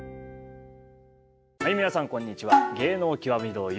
はい皆さんこんにちは。